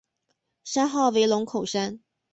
山号为龙口山。